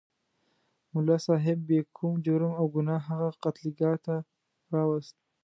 ملا صاحب بې کوم جرم او ګناه هغه قتلګاه ته راوست.